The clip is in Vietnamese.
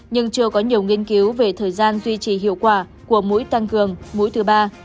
nhưng chưa có nhiều nghiên cứu về thời gian duy trì hiệu quả của mũi tăng cường mũi thứ ba